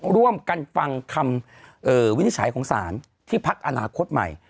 ร่วมกันฟังคำวินิจฉัยของศาลที่พักอนาคตใหม่